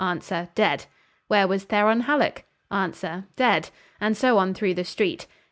Answer, 'Dead.' 'Where was Theron Hallock?' Answer, 'Dead.' And so on through the street.